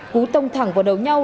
cú tông thẳng vào đầu nhau